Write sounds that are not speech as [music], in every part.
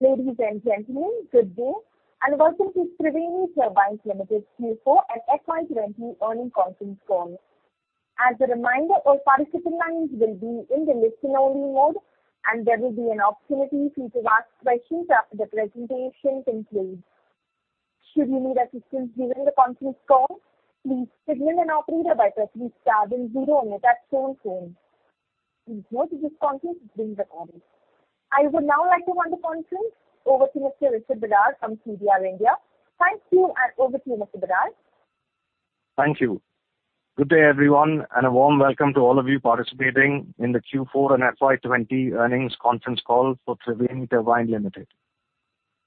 Ladies and gentlemen, good day, and welcome to Triveni Turbine Limited Q4 and FY 2020 earnings conference call. As a reminder, all participant lines will be in the listen-only mode, and there will be an opportunity for you to ask questions after the presentation concludes. Should you need assistance during the conference call, please signal an operator by pressing star then zero on your touchtone phone. Please note this conference is being recorded. I would now like to hand the conference over to Mr. Rishab Barar from CDR India. Thank you, and over to you, Mr. Barar Thank you. Good day, everyone, a warm welcome to all of you participating in the Q4 and FY 2020 earnings conference call for Triveni Turbine Limited.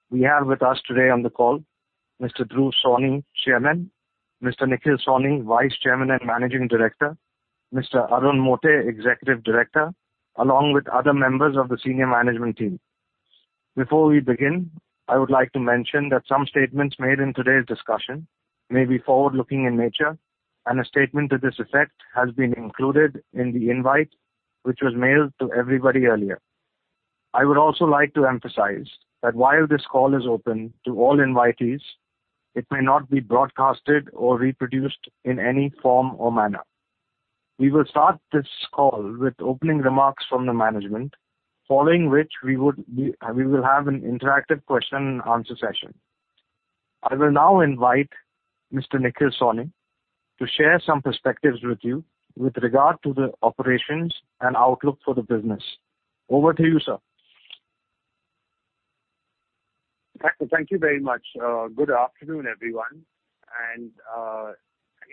We have with us today on the call Mr. Dhruv Sawhney, Chairman, Mr. Nikhil Sawhney, Vice Chairman and Managing Director, Mr. Arun Mote, Executive Director, along with other members of the senior management team. Before we begin, I would like to mention that some statements made in today's discussion may be forward-looking in nature, a statement to this effect has been included in the invite, which was mailed to everybody earlier. I would also like to emphasize that while this call is open to all invitees, it may not be broadcasted or reproduced in any form or manner. We will start this call with opening remarks from the management, following which we will have an interactive question and answer session. I will now invite Mr. Nikhil Sawhney to share some perspectives with you with regard to the operations and outlook for the business. Over to you, sir. Thank you very much. Good afternoon, everyone.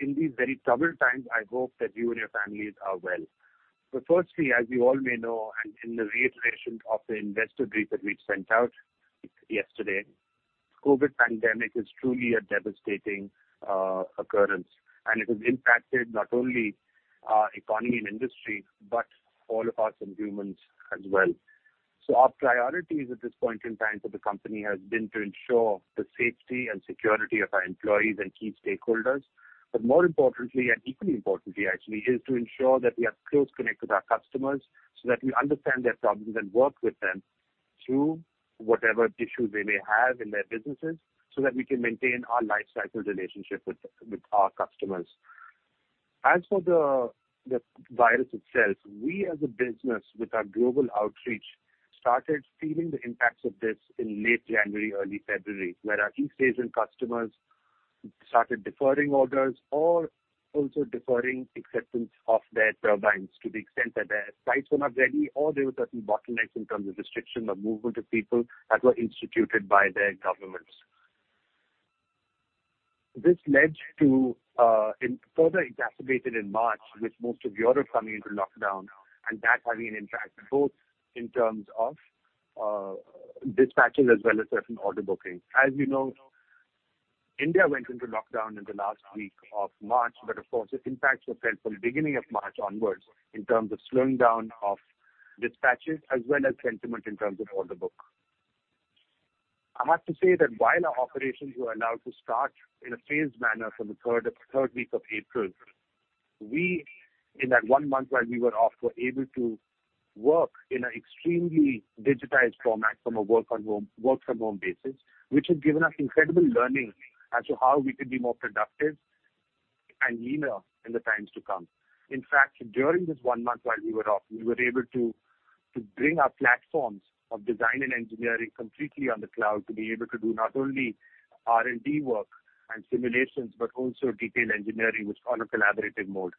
In these very troubled times, I hope that you and your families are well. Firstly, as you all may know, and in the reiteration of the investor brief that we sent out yesterday, COVID pandemic is truly a devastating occurrence, and it has impacted not only our economy and industry, but all of us and humans as well. Our priorities at this point in time for the company has been to ensure the safety and security of our employees and key stakeholders. More importantly, and equally importantly, actually, is to ensure that we are close connected with our customers so that we understand their problems and work with them through whatever issues they may have in their businesses, so that we can maintain our life cycle relationship with our customers. As for the virus itself, we as a business with our global outreach, started feeling the impacts of this in late January, early February, where our key stage and customers started deferring orders or also deferring acceptance of their turbines to the extent that their sites were not ready or there were certain bottlenecks in terms of restriction of movement of people that were instituted by their governments. This further exacerbated in March with most of Europe coming into lockdown and that having an impact both in terms of dispatching as well as certain order bookings. As you know, India went into lockdown in the last week of March. Of course, the impacts were felt from the beginning of March onwards in terms of slowing down of dispatches, as well as sentiment in terms of order book. I have to say that while our operations were allowed to start in a phased manner from the third week of April, we, in that one month while we were off, were able to work in an extremely digitized format from a work-from-home basis, which has given us incredible learning as to how we could be more productive and leaner in the times to come. In fact, during this one month while we were off, we were able to bring our platforms of design and engineering completely on the cloud to be able to do not only R&D work and simulations, but also detailed engineering, which is on a collaborative mode.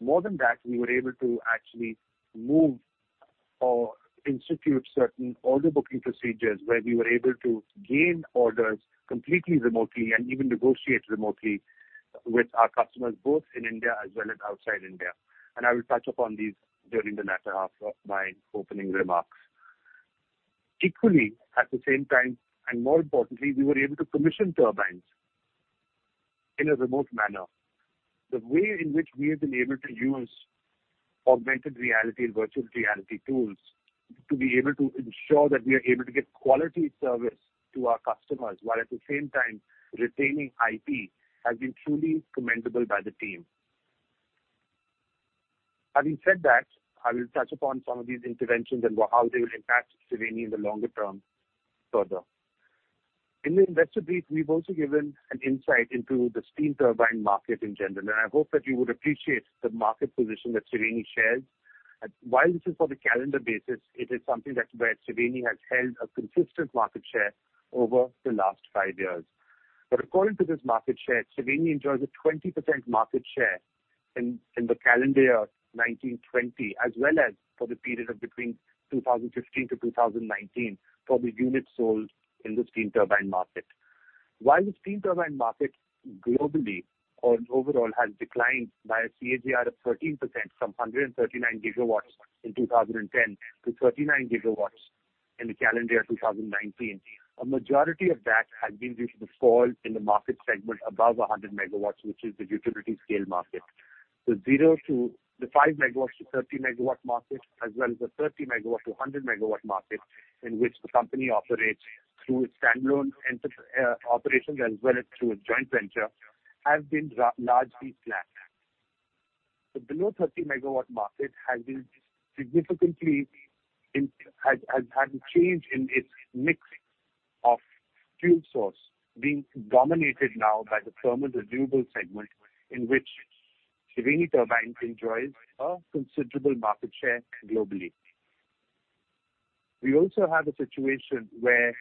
More than that, we were able to actually move or institute certain order booking procedures where we were able to gain orders completely remotely and even negotiate remotely with our customers, both in India as well as outside India. I will touch upon these during the latter half of my opening remarks. Equally, at the same time, and more importantly, we were able to commission turbines in a remote manner. The way in which we have been able to use augmented reality and virtual reality tools to be able to ensure that we are able to give quality service to our customers, while at the same time retaining IP, has been truly commendable by the team. Having said that, I will touch upon some of these interventions and how they will impact Triveni in the longer term further. In the investor brief, we've also given an insight into the steam turbine market in general, and I hope that you would appreciate the market position that Triveni shares. While this is for the calendar basis, it is something that where Triveni has held a consistent market share over the last five years. According to this market share, Triveni enjoys a 20% market share in the calendar year 2019/2020, as well as for the period of between 2015 to 2019, for the units sold in the steam turbine market. The steam turbine market globally or overall has declined by a CAGR of 13%, from 139 GW in 2010 to 39 GW in the calendar year 2019, a majority of that has been due to the fall in the market segment above 100 megawatts, which is the utility scale market. The 5 MW to 30 MW market, as well as the 30 MW to 100 MW market, in which the company operates through its standalone operations as well as through its joint venture, have been largely flat. The below 30 MW market has had a change in its mix of fuel source, being dominated now by the thermal renewable segment, in which Triveni Turbine enjoys a considerable market share globally. We also have a situation where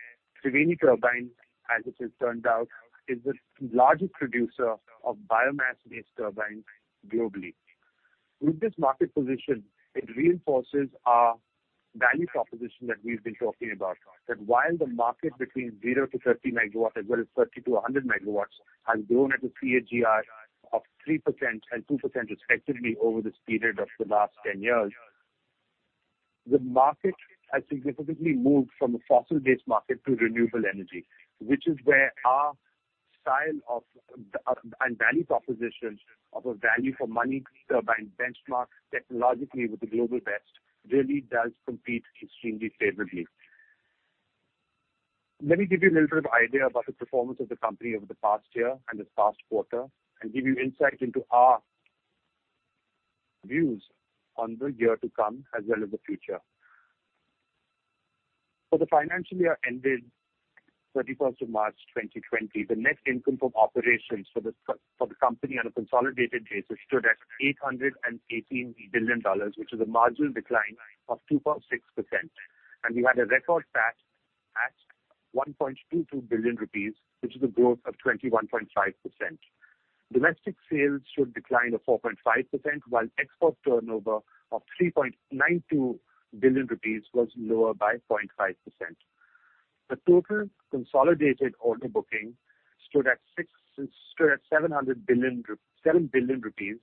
Triveni Turbine, as it has turned out, is the largest producer of biomass-based turbines globally. With this market position, it reinforces our value proposition that we've been talking about. While the market between 0 to 30 MW as well as 30 to 100 MW has grown at a CAGR of 3% and 2% respectively over this period of the last 10 years. The market has significantly moved from a fossil-based market to renewable energy, which is where our style and value propositions of a value for money turbine benchmarked technologically with the global best, really does compete extremely favorably. Let me give you a little bit of idea about the performance of the company over the past year and this past quarter, and give you insight into our views on the year to come as well as the future. For the financial year ended 31st of March 2020, the net income from operations for the company on a consolidated basis stood at INR 818 billion, which is a marginal decline of 2.6%. We had a record PAT at 1.22 billion rupees, which is a growth of 21.5%. Domestic sales showed decline of 4.5%, while export turnover of 3.92 billion rupees was lower by 0.5%. The total consolidated order booking stood at 7 billion rupees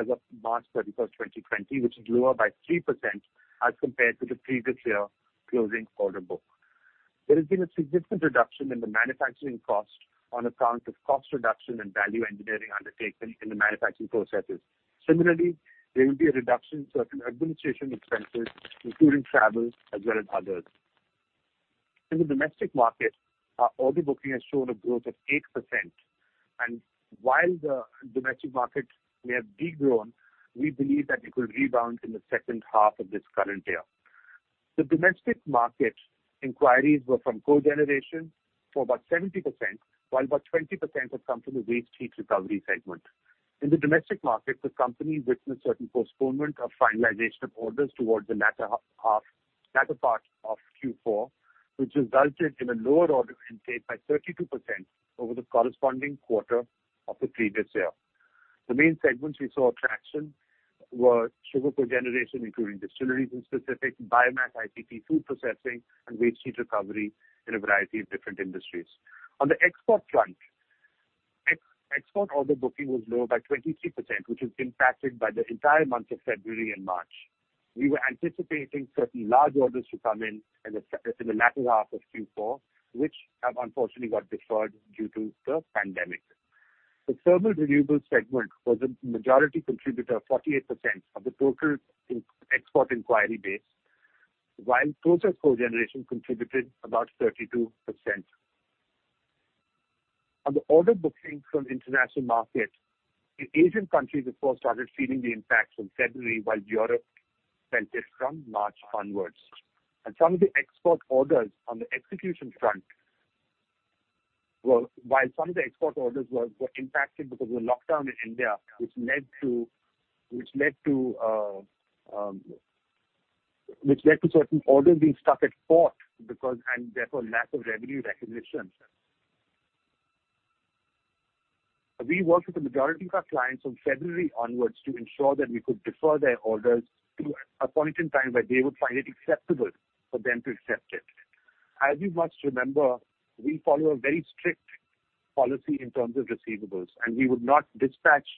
as of March 31, 2020, which is lower by 3% as compared to the previous year closing order book. There has been a significant reduction in the manufacturing cost on account of cost reduction and value engineering undertaken in the manufacturing processes. Similarly, there will be a reduction in certain administration expenses, including travel as well as others. In the domestic market, our order booking has shown a growth of 8%, and while the domestic market may have de-grown, we believe that it will rebound in the second half of this current year. The domestic market inquiries were from cogeneration for about 70%, while about 20% have come from the waste heat recovery segment. In the domestic market, the company witnessed certain postponement of finalization of orders towards the latter part of Q4, which resulted in a lower order intake by 32% over the corresponding quarter of the previous year. The main segments we saw traction were sugar cogeneration, including distilleries in specific, biomass, IPP, food processing, and waste heat recovery in a variety of different industries. On the export front, export order booking was lower by 23%, which was impacted by the entire month of February and March. We were anticipating certain large orders to come in in the latter half of Q4, which have unfortunately got deferred due to the pandemic. The thermal renewable segment was the majority contributor, 48%, of the total export inquiry base, while process cogeneration contributed about 32%. On the order bookings from international markets, the Asian countries, of course, started feeling the impact from February while Europe felt it from March onwards. Some of the export orders on the execution front were impacted because of the lockdown in India, which led to certain orders being stuck at port and therefore lack of revenue recognition. We worked with the majority of our clients from February onwards to ensure that we could defer their orders to a point in time where they would find it acceptable for them to accept it. As you must remember, we follow a very strict policy in terms of receivables, and we would not dispatch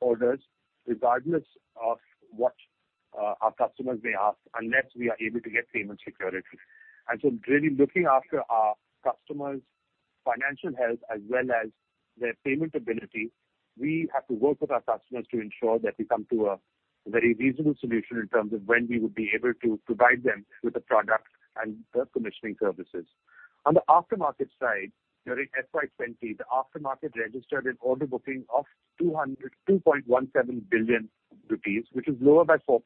orders regardless of what our customers may ask unless we are able to get payment security. Really looking after our customers' financial health as well as their payment ability, we have to work with our customers to ensure that we come to a very reasonable solution in terms of when we would be able to provide them with the product and the commissioning services. On the aftermarket side, during FY 2020, the aftermarket registered an order booking of 2.17 billion rupees, which is lower by 4%.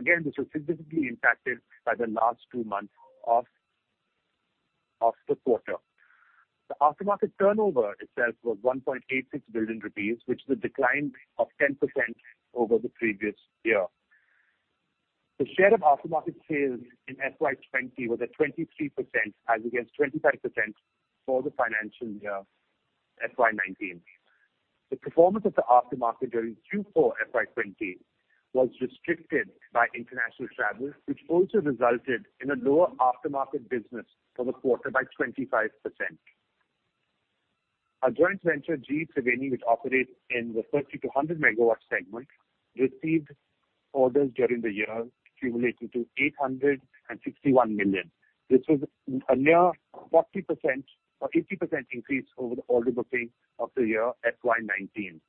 This was significantly impacted by the last two months of the quarter. The aftermarket turnover itself was 1.86 billion rupees, which is a decline of 10% over the previous year. The share of aftermarket sales in FY 2020 was at 23% as against 25% for the financial year FY 2019. The performance of the aftermarket during Q4 FY 2020 was restricted by international travel, which also resulted in a lower aftermarket business for the quarter by 25%. Our joint venture, GE Triveni, which operates in the 30 to 100 MW segment, received orders during the year accumulating to 861 million. This was a near 40% or 80% increase over the order booking of the year FY 2019.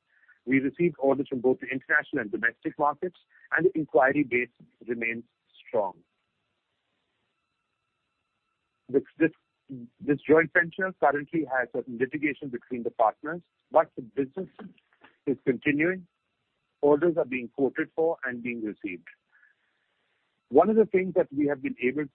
We received orders from both the international and domestic markets. The inquiry base remains strong. This joint venture currently has certain litigation between the partners. The business is continuing. Orders are being quoted for and being received. One of the things that we have been able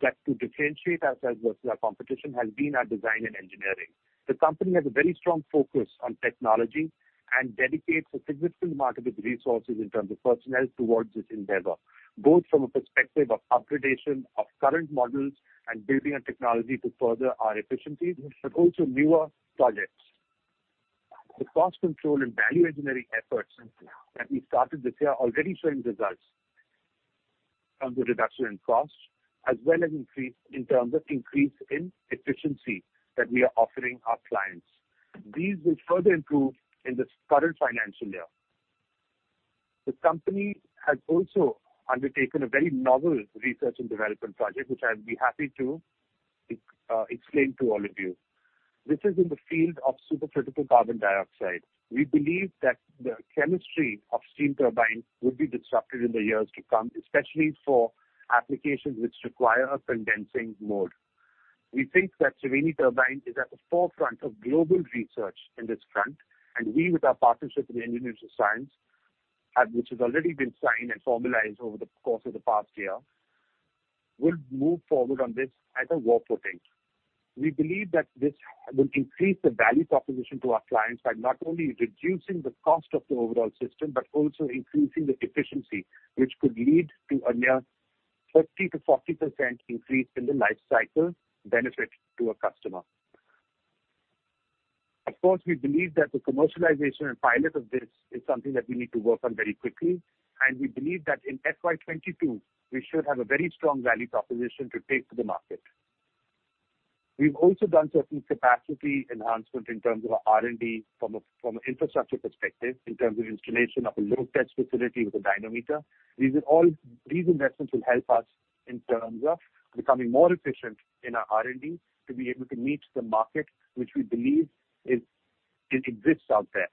to differentiate us as versus our competition has been our design and engineering. The company has a very strong focus on technology and dedicates a significant amount of its resources in terms of personnel towards this endeavor, both from a perspective of up gradation of current models and building a technology to further our efficiencies, but also newer projects. The cost control and value engineering efforts that we started this year are already showing results in terms of reduction in costs, as well as increase in terms of increase in efficiency that we are offering our clients. These will further improve in this current financial year. The company has also undertaken a very novel research and development project, which I'll be happy to explain to all of you. This is in the field of supercritical carbon dioxide. We believe that the chemistry of steam turbines will be disrupted in the years to come, especially for applications which require a condensing mode. We think that Triveni Turbine is at the forefront of global research in this front, and we, with our partnership with the Institute of Science, which has already been signed and formalized over the course of the past year, will move forward on this as a work package. We believe that this will increase the value proposition to our clients by not only reducing the cost of the overall system, but also increasing the efficiency, which could lead to a near 30%-40% increase in the life cycle benefit to a customer. Of course, we believe that the commercialization and pilot of this is something that we need to work on very quickly, and we believe that in FY 2022, we should have a very strong value proposition to take to the market. We've also done certain capacity enhancement in terms of our R&D from an infrastructure perspective, in terms of installation of a load test facility with a dynamometer. These investments will help us in terms of becoming more efficient in our R&D to be able to meet the market, which we believe exists out there.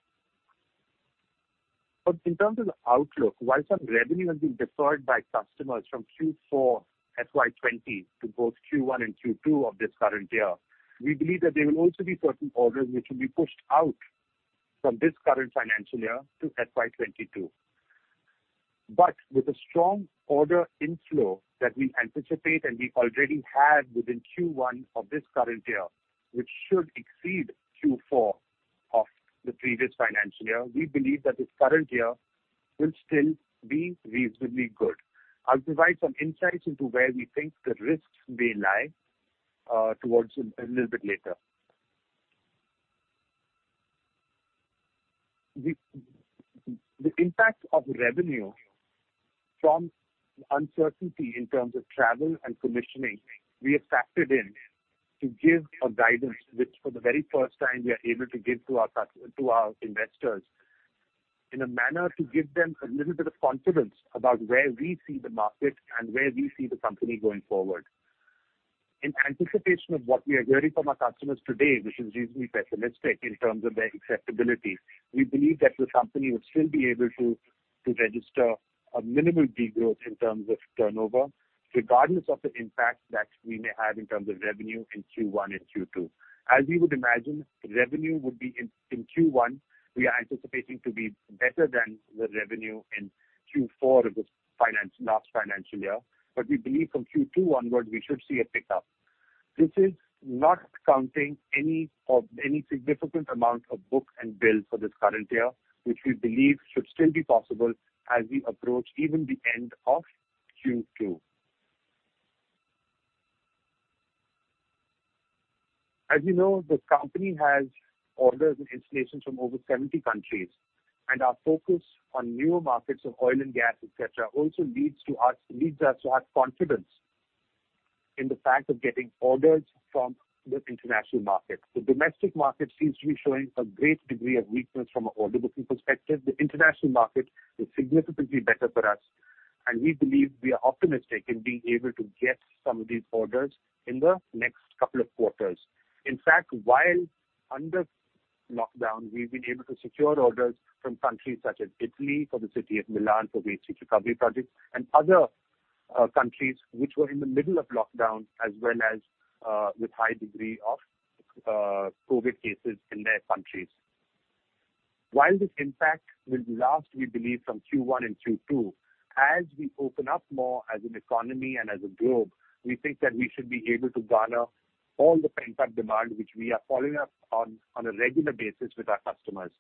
In terms of outlook, while some revenue has been destroyed by customers from Q4 FY 2020 to both Q1 and Q2 of this current year, we believe that there will also be certain orders which will be pushed out from this current financial year to FY 2022. With a strong order inflow that we anticipate and we already had within Q1 of this current year, which should exceed Q4 of the previous financial year, we believe that this current year will still be reasonably good. I'll provide some insights into where we think the risks may lie towards a little bit later. The impact of revenue from uncertainty in terms of travel and commissioning, we have factored in to give a guidance, which for the very first time we are able to give to our investors in a manner to give them a little bit of confidence about where we see the market and where we see the company going forward. In anticipation of what we are hearing from our customers today, which is reasonably pessimistic in terms of their acceptability, we believe that the company would still be able to register a minimal degrowth in terms of turnover, regardless of the impact that we may have in terms of revenue in Q1 and Q2. We would imagine, revenue would be, in Q1, we are anticipating to be better than the revenue in Q4 of this last financial year. We believe from Q2 onwards, we should see a pickup. This is not counting any significant amount of book and bill for this current year, which we believe should still be possible as we approach even the end of Q2. As you know, this company has orders and installations from over 70 countries, and our focus on newer markets of oil and gas, et cetera, also leads us to have confidence in the fact of getting orders from the international market. The domestic market seems to be showing a great degree of weakness from an order booking perspective. The international market is significantly better for us, and we believe we are optimistic in being able to get some of these orders in the next couple of quarters. In fact, while under lockdown, we've been able to secure orders from countries such as Italy, for the city of Milan, for waste heat recovery projects and other countries which were in the middle of lockdown as well as with high degree of COVID cases in their countries. While this impact will last, we believe from Q1 and Q2, as we open up more as an economy and as a globe, we think that we should be able to garner all the pent-up demand which we are following up on a regular basis with our customers.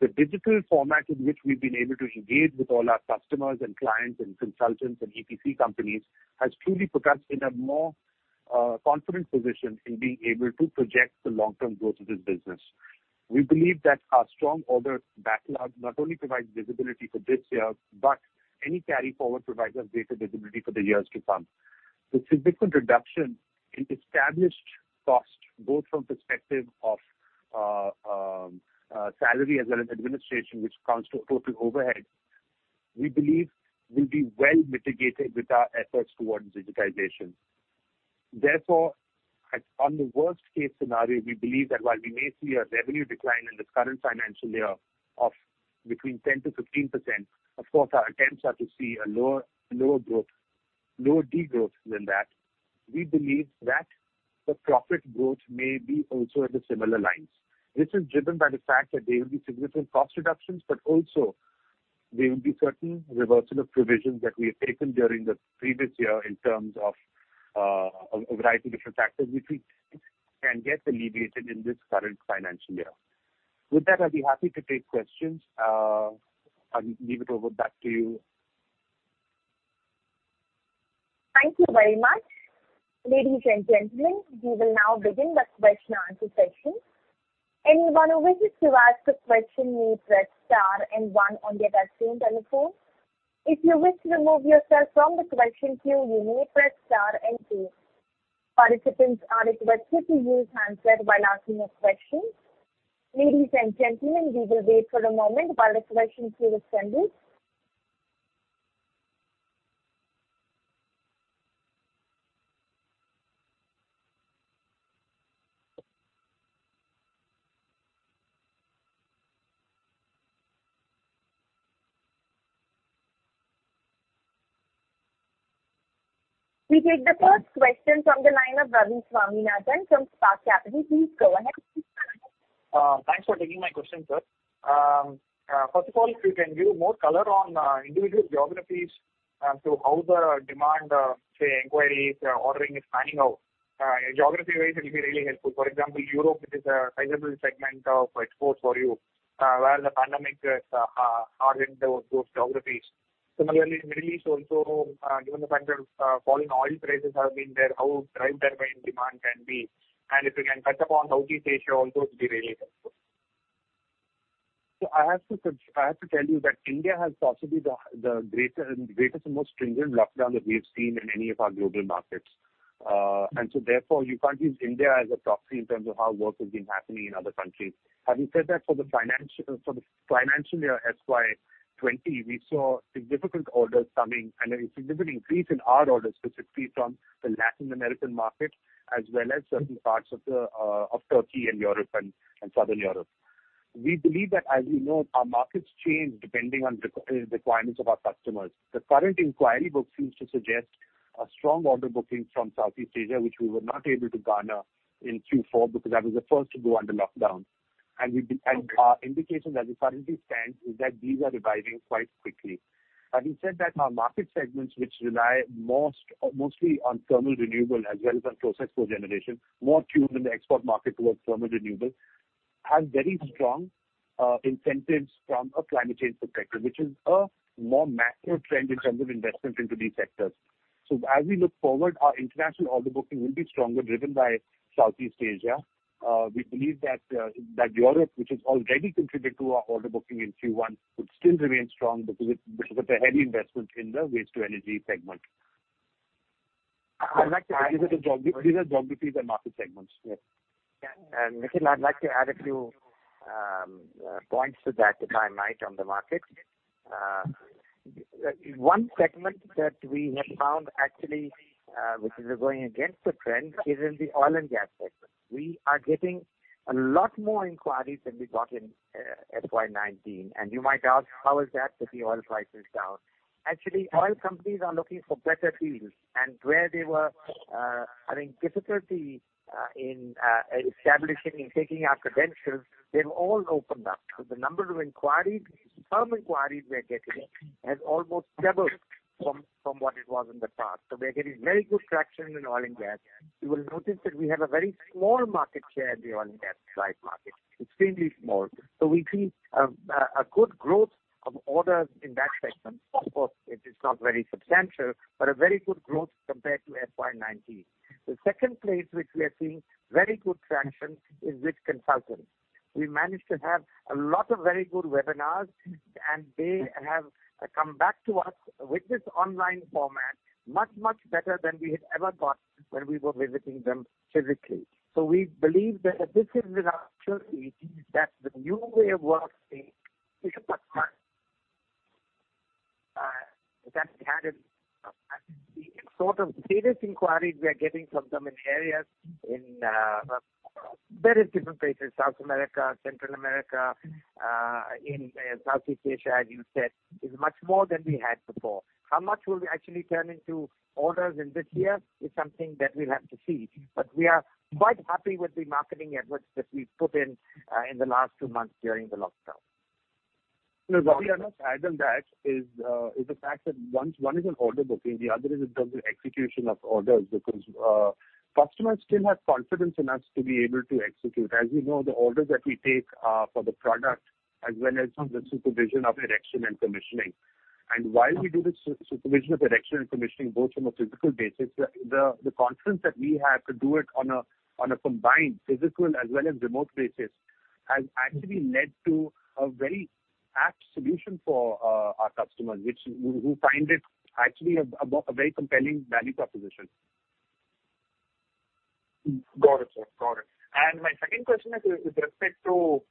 The digital format in which we've been able to engage with all our customers and clients and consultants and EPC companies has truly put us in a more confident position in being able to project the long term growth of this business. We believe that our strong order backlog not only provides visibility for this year, but any carry forward provides us greater visibility for the years to come. The significant reduction in established cost, both from perspective of salary as well as administration, which comes to a total overhead, we believe will be well mitigated with our efforts towards digitization. On the worst-case scenario, we believe that while we may see a revenue decline in this current financial year of between 10%-15%, of course, our attempts are to see a lower degrowth than that. We believe that the profit growth may be also in similar lines. This is driven by the fact that there will be significant cost reductions, but also there will be certain reversal of provisions that we have taken during the previous year in terms of a variety of different factors which we think can get alleviated in this current financial year. With that, I will be happy to take questions. I will leave it over back to you. Thank you very much. Ladies and gentlemen, we will now begin the question answer session. Anyone who wishes to ask a question may press star and one on their touchtone telephone. If you wish to remove yourself from the question queue, you may press star and two. Participants are requested to use handset while asking a question. Ladies and gentlemen, we will wait for a moment while the question queue is tended. We take the first question from the line of Ravi Swaminathan from Spark Capital. Please go ahead. Thanks for taking my question, sir. First of all, if you can give more color on individual geographies as to how the demand, say, inquiries, ordering is panning out. Geography ways, it'll be really helpful. For example, Europe, which is a sizable segment of exports for you where the pandemic is hard in those geographies. Similarly, Middle East also given the fact that falling oil prices have been there, how drive demand can be. If you can touch upon Southeast Asia also, it would be really helpful. I have to tell you that India has possibly the greatest and most stringent lockdown that we have seen in any of our global markets. Therefore, you can't use India as a proxy in terms of how work has been happening in other countries. Having said that, for the financial year FY 2020, we saw significant orders coming and a significant increase in our orders specifically from the Latin American market as well as certain parts of Turkey and Europe and Southern Europe. We believe that as we know, our markets change depending on the requirements of our customers. The current inquiry book seems to suggest a strong order booking from Southeast Asia, which we were not able to garner in Q4 because that was the first to go under lockdown. Our indication as we currently stand is that these are reviving quite quickly. Having said that, our market segments which rely mostly on thermal renewable as well as on process flow generation, more tuned in the export market towards thermal renewable, have very strong incentives from a climate change perspective, which is a more macro trend in terms of investment into these sectors. As we look forward, our international order booking will be stronger, driven by Southeast Asia. We believe that Europe, which has already contributed to our order booking in Q1, would still remain strong because of the heavy investment in the waste to energy segment. These are geographies and market segments. Yes. Nikhil, I'd like to add a few points to that, if I might, on the markets. One segment that we have found actually which is going against the trend is in the oil and gas sector. We are getting a lot more inquiries than we got in FY 2019. You might ask, how is that if the oil price is down? Actually, oil companies are looking for better deals and where they were having difficulty in establishing and taking our credentials, they've all opened up. The number of firm inquiries we're getting has almost doubled from what it was in the past. We're getting very good traction in oil and gas. You will notice that we have a very small market share in the oil and gas drive market, extremely small. We see a good growth of orders in that segment. It is not very substantial, but a very good growth compared to FY 2019. The second place which we are seeing very good traction is with consultants. We managed to have a lot of very good webinars, and they have come back to us with this online format much, much better than we had ever got when we were visiting them physically. We believe that this is the new way of working. The sort of serious inquiries we are getting from them in various different places, South America, Central America, in Southeast Asia, as you said, is much more than we had before. How much will we actually turn into orders in this year is something that we'll have to see. We are quite happy with the marketing efforts that we've put in in the last two months during the lockdown. Ravi, I must add on that is the fact that one is an order booking, the other is in terms of execution of orders because customers still have confidence in us to be able to execute. As you know, the orders that we take are for the product as well as for the supervision of erection and commissioning. While we do the supervision of erection and commissioning both from a physical basis, the confidence that we have to do it on a combined physical as well as remote basis has actually led to a very apt solution for our customers who find it actually a very compelling value proposition. Got it, sir. Got it. My second question is with respect to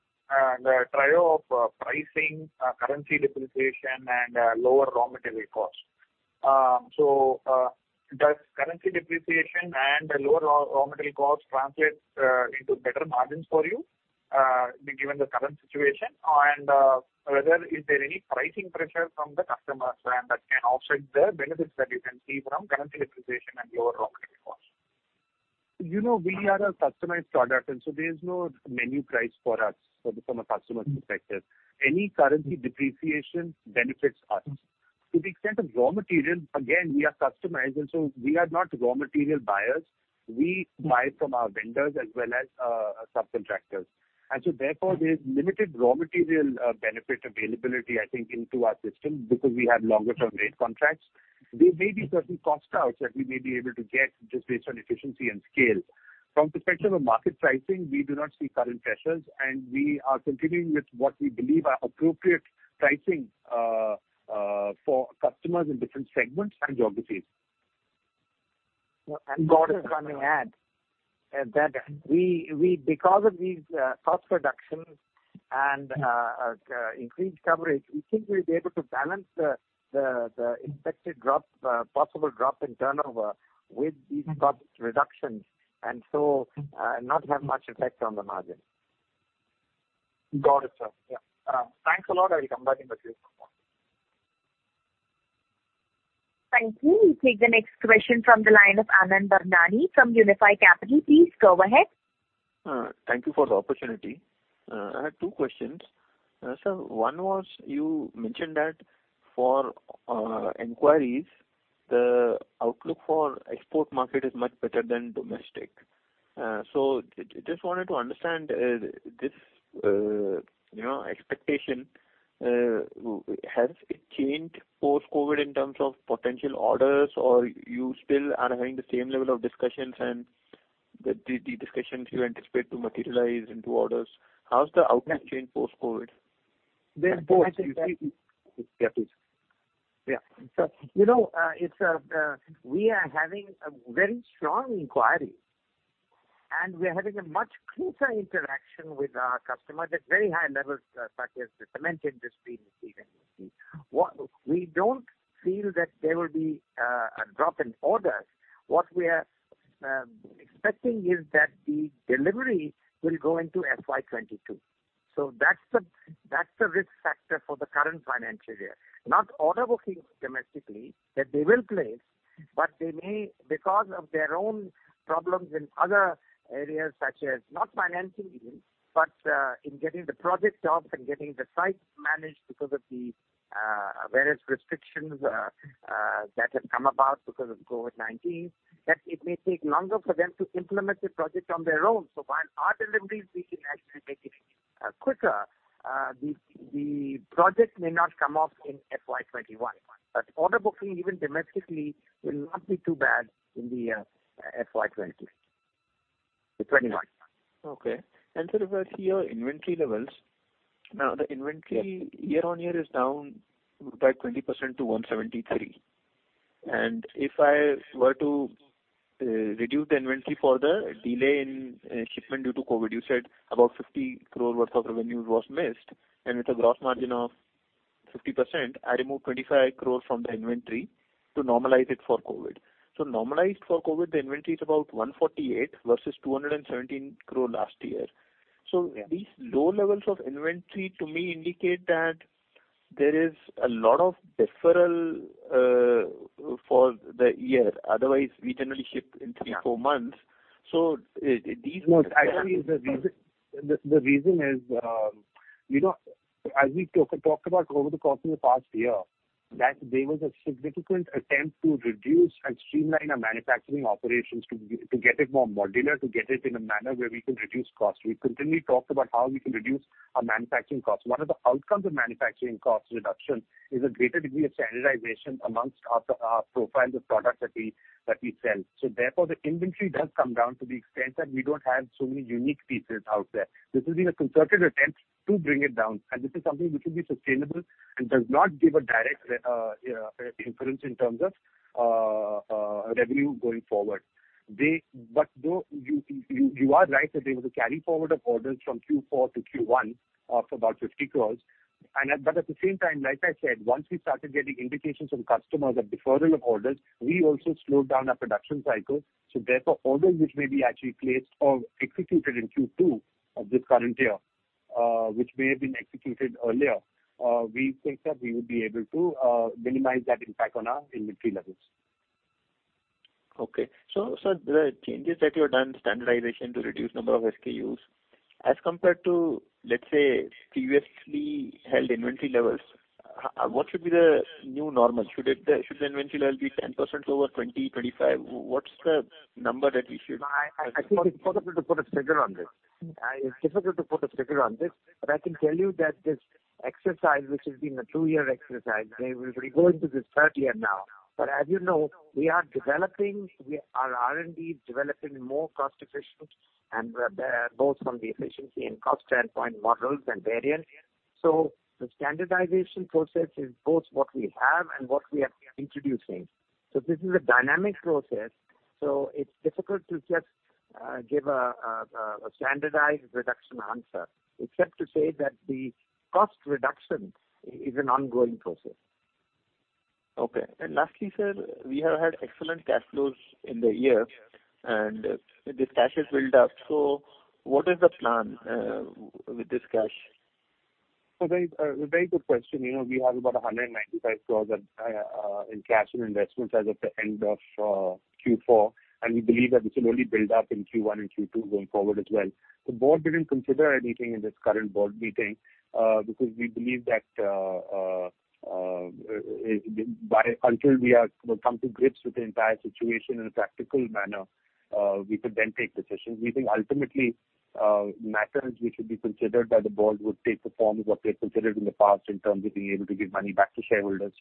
the trial of pricing, currency depreciation, and lower raw material cost. Does currency depreciation and lower raw material costs translate into better margins for you given the current situation? Whether is there any pricing pressure from the customers that can offset the benefits that you can see from currency depreciation and lower raw material costs? We are a customized product, there is no menu price for us from a customer perspective. Any currency depreciation benefits us. To the extent of raw material, again, we are customized, we are not raw material buyers. We buy from our vendors as well as our subcontractors. There's limited raw material benefit availability, I think, into our system because we have longer-term rate contracts. There may be certain cost outs that we may be able to get just based on efficiency and scale. From the perspective of market pricing, we do not see current pressures, we are continuing with what we believe are appropriate pricing for customers in different segments and geographies. And That we, because of these cost reductions and increased coverage, we think we'll be able to balance the expected possible drop in turnover with these cost reductions and so not have much effect on the margin. Got it, sir. Yeah. Thanks a lot. I will come back if I have more. Thank you. We will take the next question from the line of Anand Bhavnani from Unifi Capital. Please go ahead. Thank you for the opportunity. I have two questions. Sir, one was you mentioned that for inquiries, the outlook for export market is much better than domestic. Just wanted to understand this expectation. Has it changed post-COVID in terms of potential orders, or you still are having the same level of discussions and the discussions you anticipate to materialize into orders? How's the outlook changed post-COVID? They're both. Yeah, please. Yeah. We are having a very strong inquiry, and we are having a much closer interaction with our customer at very high levels, such as the cement industry, for instance. We don't feel that there will be a drop in orders. What we are expecting is that the delivery will go into FY 2022. That's the risk factor for the current financial year, not order bookings domestically that they will place, but they may because of their own problems in other areas such as not financially, but in getting the project off and getting the sites managed because of the various restrictions that have come about because of COVID-19, that it may take longer for them to implement the project on their own. While our deliveries we can actually make it quicker, the project may not come off in FY 2021. Order booking, even domestically, will not be too bad in the FY 2022, FY 2021. Okay. Sir, if I see your inventory levels, now the inventory year-over-year is down by 20% to 173. If I were to reduce the inventory for the delay in shipment due to COVID, you said about 50 crore worth of revenue was missed. With a gross margin of 50%, I remove 25 crore from the inventory to normalize it for COVID. Normalized for COVID, the inventory is about 148 versus 217 crore last year. Yeah. These low levels of inventory to me indicate that there is a lot of deferral for the year. Otherwise, we generally ship in three, four months. No. Actually, the reason is as we talked about over the course of the past year, that there was a significant attempt to reduce and streamline our manufacturing operations to get it more modular, to get it in a manner where we can reduce costs. We continually talked about how we can reduce our manufacturing costs. One of the outcomes of manufacturing cost reduction is a greater degree of standardization amongst our profiles of products that we sell. Therefore, the inventory does come down to the extent that we don't have so many unique pieces out there. This has been a concerted attempt to bring it down, and this is something which will be sustainable and does not give a direct inference in terms of revenue going forward. You are right that there was a carry-forward of orders from Q4 to Q1 of about 50 crores. At the same time, like I said, once we started getting indications from customers of deferral of orders, we also slowed down our production cycle. Therefore, orders which may be actually placed or executed in Q2 of this current year, which may have been executed earlier, we think that we would be able to minimize that impact on our inventory levels. Okay. Sir, the changes that you have done, standardization to reduce number of SKUs, as compared to, let's say, previously held inventory levels, what should be the new normal? Should the inventory level be 10% lower, 20%, 25%? What's the number that we should? I think it's impossible to put a figure on this. It's difficult to put a figure on this. I can tell you that this exercise, which has been a two-year exercise, we're going to the 3rd year now, as you know, we are developing, our R&D is developing more cost efficient and both from the efficiency and cost standpoint models and variants. The standardization process is both what we have and what we are introducing. This is a dynamic process. It's difficult to just give a standardized reduction answer, except to say that the cost reduction is an ongoing process. Okay. Lastly, sir, we have had excellent cash flows in the year and this cash is built up. What is the plan with this cash? A very good question. We have about 195 crores in cash and investments as of the end of Q4, and we believe that this will only build up in Q1 and Q2 going forward as well. The board didn't consider anything in this current board meeting, because we believe that until we have come to grips with the entire situation in a practical manner, we could then take decisions. We think ultimately matters which will be considered by the board would take the form of what we have considered in the past in terms of being able to give money back to shareholders.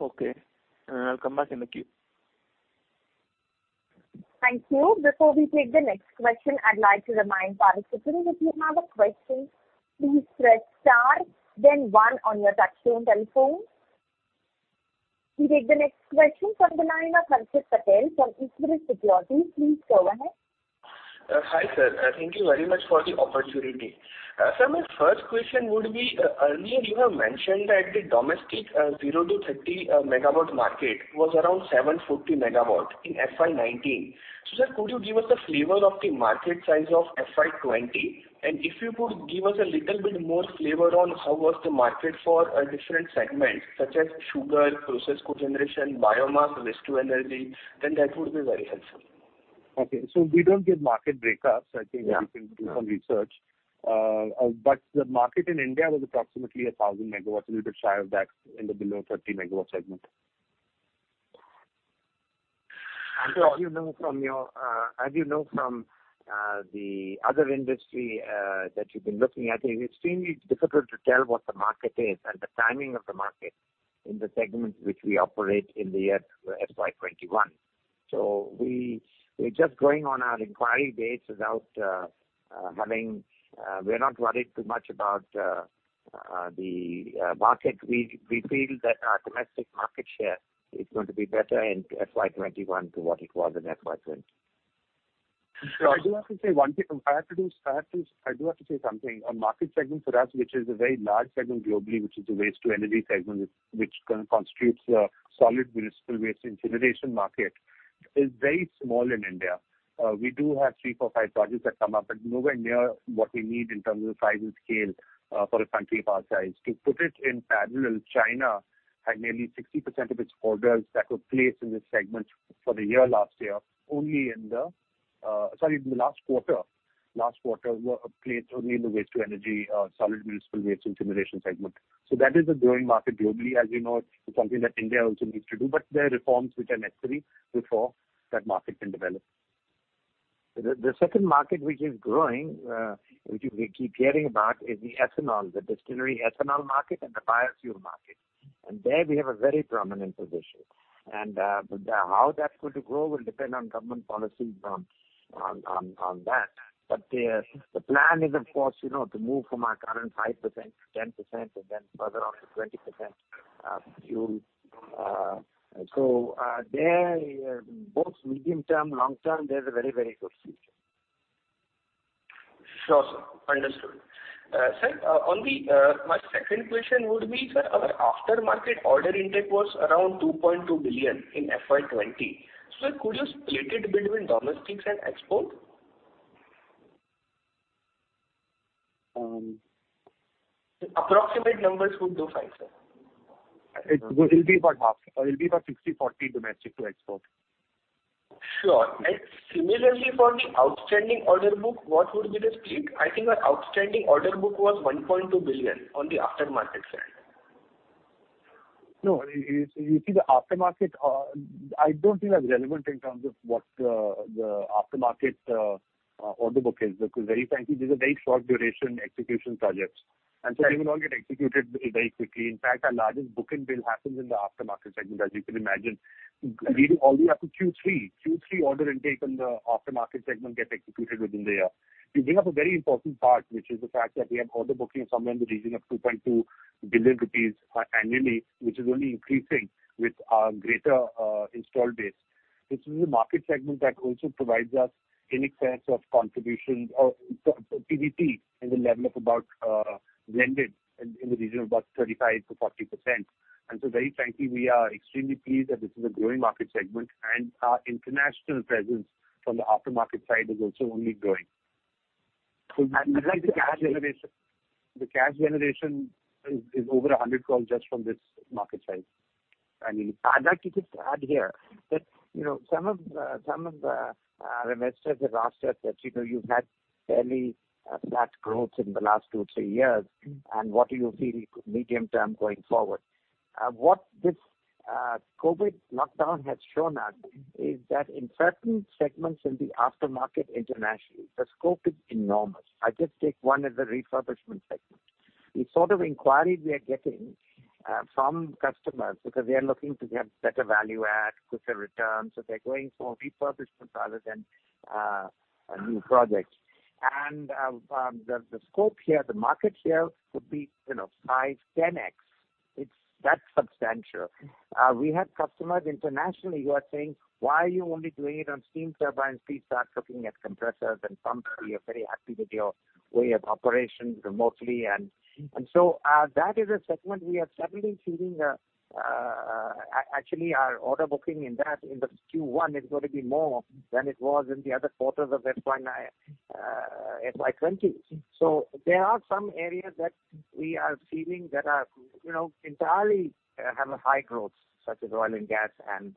Okay. I'll come back in the queue. Thank you. Before we take the next question, I'd like to remind participants, if you have a question, please press star then one on your touchtone telephone. We take the next question from the line of Sanjeev Patel from. [inaudible] Please go ahead. Hi, sir. Thank you very much for the opportunity. Sir, my first question would be, earlier you have mentioned that the domestic 0 to 30 MW market was around 740 MW in FY 2019. Sir, could you give us a flavor of the market size of FY 2020? If you could give us a little bit more flavor on how was the market for different segments such as sugar, process cogeneration, biomass, waste to energy, that would be very helpful. Okay. We don't give market breakups. Yeah. I think you can do some research. The market in India was approximately 1,000 MW, a little bit shy of that in the below 30 MW segment. As you know from the other industry that you've been looking at, it is extremely difficult to tell what the market is and the timing of the market in the segment which we operate in the FY 2021. We're just going on our inquiry base. We're not worried too much about the market. We feel that our domestic market share is going to be better in FY 2021 to what it was in FY 2020. I do have to say something. A market segment for us, which is a very large segment globally, which is the waste to energy segment, which constitutes a solid municipal waste incineration market, is very small in India. We do have three, four, five projects that come up, but nowhere near what we need in terms of size and scale for a country of our size. To put it in parallel, China had nearly 60% of its orders that were placed in this segment for the year last year, sorry, in the last quarter, were placed only in the waste to energy solid municipal waste incineration segment. That is a growing market globally, as you know, it's something that India also needs to do. There are reforms which are necessary before that market can develop. The second market which is growing, which we keep hearing about, is the ethanol, the distillery ethanol market and the biofuel market. There we have a very prominent position. How that's going to grow will depend on government policy on that. The plan is of course to move from our current 5% to 10% and then further on to 20% biofuel. There, both medium term, long term, there's a very, very good future. Sure, sir. Understood. Sir, my second question would be, sir, our after market order intake was around 2.2 billion in FY 2020. Sir, could you split it between domestics and export? Approximate numbers would do fine, sir. It will be about half. It'll be about 60/40 domestic to export. Sure. Similarly, for the outstanding order book, what would be the split? I think our outstanding order book was 1.2 billion on the aftermarket side. No. You see the aftermarket, I don't think that's relevant in terms of what the aftermarket order book is because very frankly, these are very short duration execution projects. They will all get executed very quickly. In fact, our largest book and bill happens in the aftermarket segment, as you can imagine. Leading all the way up to Q3. Q3 order intake in the aftermarket segment gets executed within the year. You bring up a very important part, which is the fact that we have order booking of somewhere in the region of 2.2 billion rupees annually, which is only increasing with our greater install base. This is a market segment that also provides us in a sense of contribution or PBT in the level of about blended in the region of about 35%-40%. Very frankly, we are extremely pleased that this is a growing market segment and our international presence from the aftermarket side is also only growing. The cash generation is over 100 crores just from this market size annually. I'd like to just add here that some of our investors have asked us that you've had fairly flat growth in the last two, three years, what do you feel medium term going forward? What this COVID lockdown has shown us is that in certain segments in the aftermarket internationally, the scope is enormous. I just take one as a refurbishment segment. The sort of inquiry we are getting from customers because they are looking to get better value add, quicker returns, so they're going for refurbishment rather than a new project. The scope here, the market share could be 5x, 10x. It's that substantial. We have customers internationally who are saying, "Why are you only doing it on steam turbines? Please start looking at compressors and pumps. We are very happy with your way of operation remotely." That is a segment we are steadily seeing. Actually, our order booking in the Q1 is going to be more than it was in the other quarters of FY20. There are some areas that we are seeing that entirely have a high growth, such as oil and gas and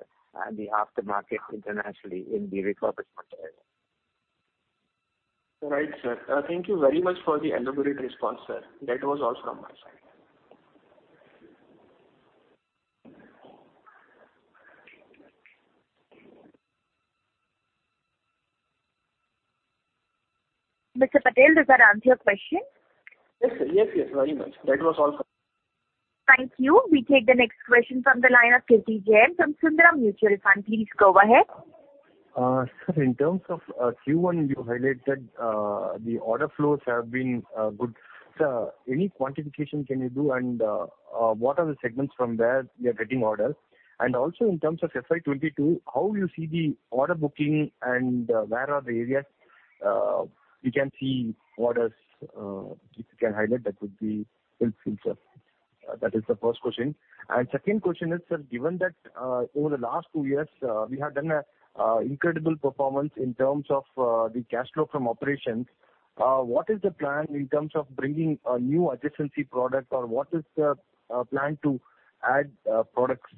the aftermarket internationally in the refurbishment area. Right, sir. Thank you very much for the elaborate response, sir. That was all from my side. Mr. Patel, does that answer your question? Yes, very much. That was all, sir. Thank you. We take the next question from the line of Kirthi Jain from Sundaram Mutual Fund. Please go ahead. Sir, in terms of Q1, you highlighted the order flows have been good. Sir, any quantification can you do, and what are the segments from where we are getting orders? In terms of FY 2022, how you see the order booking and where are the areas you can see orders, if you can highlight, that would be helpful, sir. That is the first question. Second question is, sir, given that over the last two years, we have done a incredible performance in terms of the cash flow from operations, what is the plan in terms of bringing a new adjacency product, or what is the plan to add products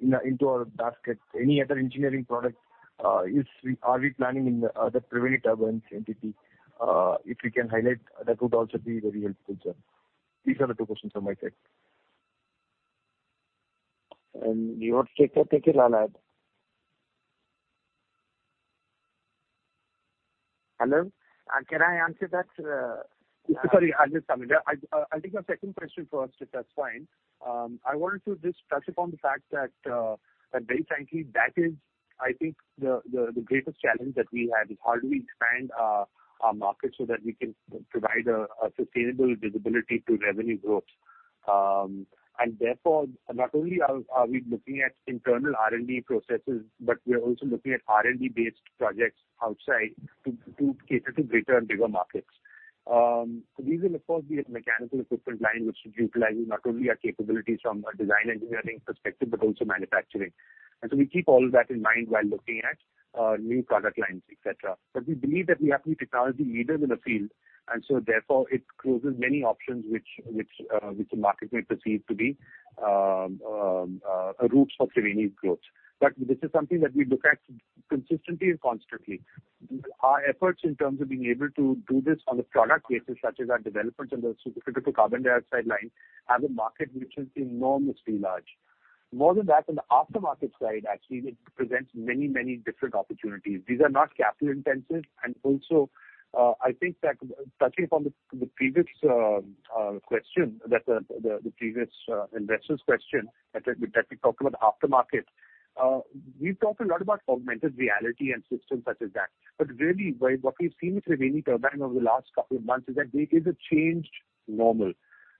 into our basket? Any other engineering product, are we planning in the other Triveni Turbine entity? If we can highlight, that would also be very helpful, sir. These are the two questions from my side. Do you want to take that, Nikhil, I'll add. Hello? Can I answer that? Sorry, I'll just come in. I'll take your second question first, if that's fine. I wanted to just touch upon the fact that very frankly, that is, I think, the greatest challenge that we have is how do we expand our market so that we can provide a sustainable visibility to revenue growth. Therefore, not only are we looking at internal R&D processes, but we're also looking at R&D-based projects outside to cater to greater and bigger markets. These will of course be a mechanical equipment line, which should utilize not only our capabilities from a design engineering perspective but also manufacturing. We keep all that in mind while looking at new product lines, et cetera. We believe that we have to be technology leaders in the field, therefore, it closes many options which the market may perceive to be routes for Triveni's growth. This is something that we look at consistently and constantly. Our efforts in terms of being able to do this on a product basis, such as our development in the supercritical carbon dioxide line, have a market which is enormously large. More than that, on the aftermarket side, actually, it presents many different opportunities. These are not capital intensive, and also, I think that touching upon the previous investor's question that we talked about the aftermarket, we've talked a lot about augmented reality and systems such as that. Really, what we've seen with Triveni Turbine over the last couple of months is that there is a changed normal.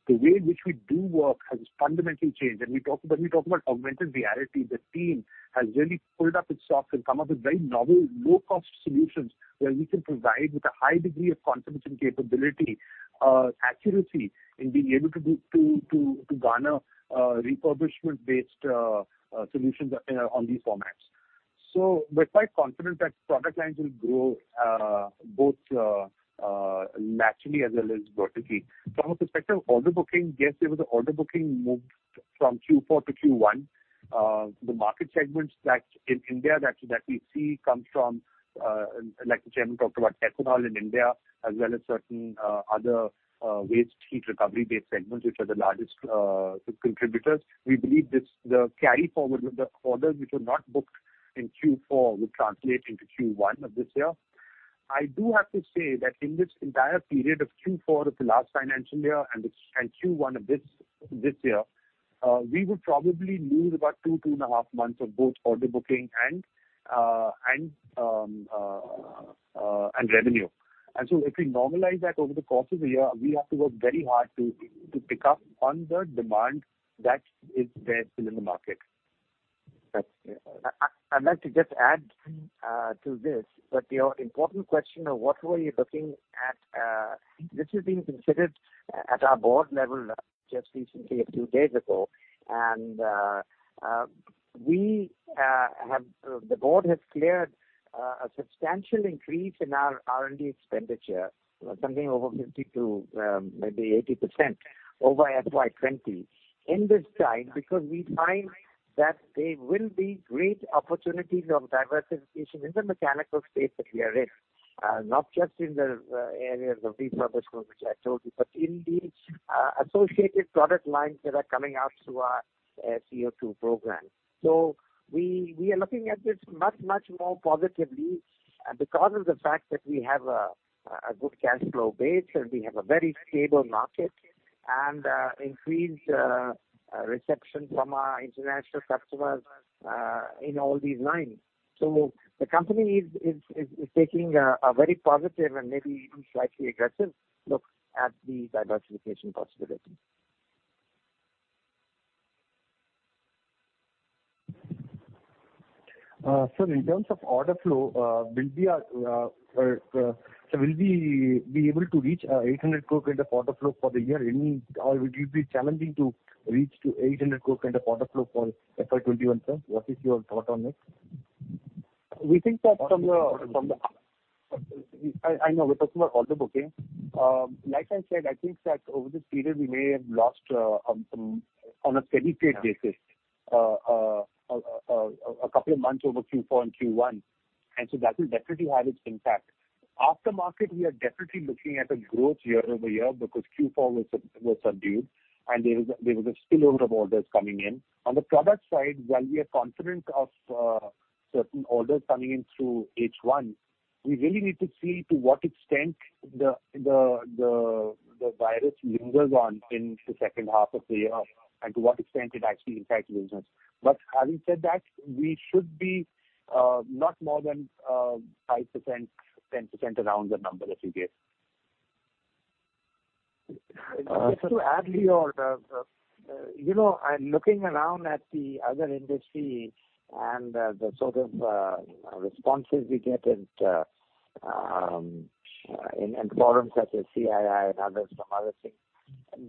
The way in which we do work has fundamentally changed. When we talk about augmented reality, the team has really pulled up its socks and come up with very novel, low-cost solutions where we can provide with a high degree of confidence and capability, accuracy in being able to garner refurbishment-based solutions on these formats. We're quite confident that product lines will grow both laterally as well as vertically. From a perspective of order booking, yes, there was an order booking moved from Q4 to Q1. The market segments in India that we see comes from, like the Chairman talked about, ethanol in India, as well as certain other Waste Heat Recovery-based segments, which are the largest contributors. We believe the carry forward with the orders which were not booked in Q4 will translate into Q1 of this year. I do have to say that in this entire period of Q4 of the last financial year and Q1 of this year, we would probably lose about two and a half months of both order booking and revenue. If we normalize that over the course of the year, we have to work very hard to pick up on the demand that is there still in the market. I'd like to just add to this, that your important question of what were you looking at, this is being considered at our board level just recently, a few days ago. The board has cleared a substantial increase in our R&D expenditure, something over 50% to maybe 80% over FY 2020 in this time, because we find that there will be great opportunities of diversification in the mechanical space that we are in. Not just in the areas of refurbishment, which I told you, but in the associated product lines that are coming out through our CO2 program. We are looking at this much more positively because of the fact that we have a good cash flow base, and we have a very stable market and increased reception from our international customers in all these lines. The company is taking a very positive and maybe even slightly aggressive look at the diversification possibilities. Sir, in terms of order flow, will we be able to reach 800 crore kind of order flow for the year? It will be challenging to reach to 800 crore kind of order flow for FY 2021, sir? What is your thought on it? Order booking. I know, we're talking about order booking. Like I said, I think that over this period, we may have lost on a steady state basis, a couple of months over Q4 and Q1, and so that will definitely have its impact. Aftermarket, we are definitely looking at a growth year-over-year because Q4 was subdued and there was a spillover of orders coming in. On the product side, while we are confident of certain orders coming in through H1, we really need to see to what extent the virus lingers on in the second half of the year, and to what extent it actually impacts business. Having said that, we should be not more than 5%-10% around the number that we gave. Just to add, [inaudible] I'm looking around at the other industry and the sort of responses we get in forums such as CII and others from other things.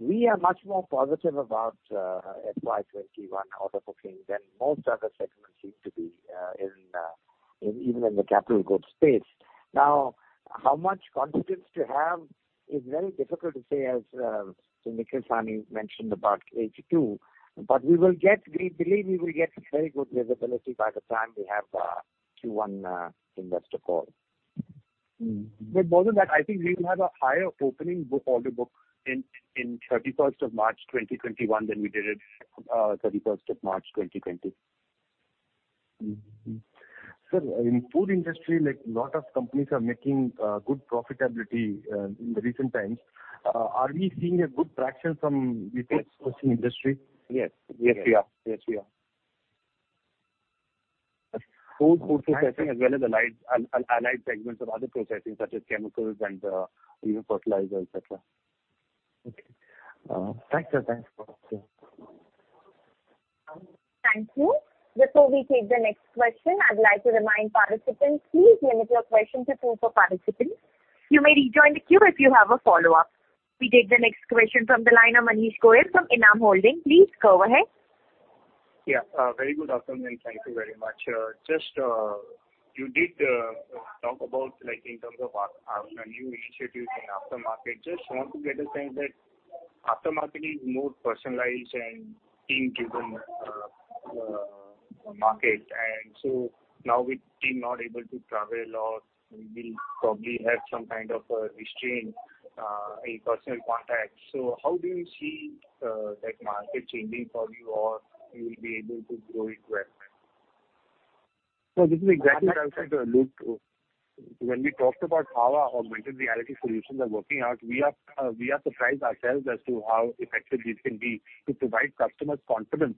We are much more positive about FY 2021 order booking than most other segments seem to be, even in the capital goods space. How much confidence to have is very difficult to say, as Nikhil Sawhney mentioned about H2. We believe we will get very good visibility by the time we have Q1 investor call. More than that, I think we will have a higher opening order book in 31st of March 2021 than we did it 31st of March 2020. Sir, in food industry, lot of companies are making good profitability in the recent times. Are we seeing a good traction from the food processing industry? Yes. Yes, we are. Food processing as well as allied segments of other processing, such as chemicals and even fertilizers, et cetera. [inaudible] Thank you. Before we take the next question, I'd like to remind participants, please limit your question to two per participant. You may rejoin the queue if you have a follow-up. We take the next question from the line of Manish Goyal from Enam Holdings. Please go ahead. Yeah. Very good afternoon. Thank you very much. Just, you did talk about in terms of our new initiatives in aftermarket. Just want to get a sense that aftermarket is more personalized and team-driven market. Now with team not able to travel or we'll probably have some kind of a restraint in personal contact. How do you see that market changing for you, or you will be able to grow it well? This is exactly how I said, [inaudible] too. When we talked about how our augmented reality solutions are working out, we are surprised ourselves as to how effective this can be to provide customers confidence